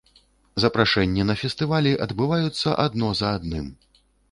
Запрашэнні на фестывалі адбываюцца адно за адным.